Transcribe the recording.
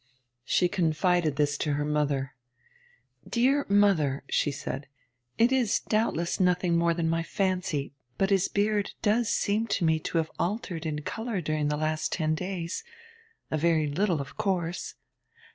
She confided this to her mother. 'Dear mother,' she said, 'it is doubtless nothing more than my fancy, but his beard does seem to me to have altered in colour during the last ten days a very little, of course.'